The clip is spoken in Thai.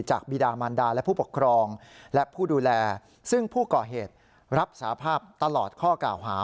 บีดามันดาและผู้ปกครองและผู้ดูแลซึ่งผู้ก่อเหตุรับสาภาพตลอดข้อกล่าวหา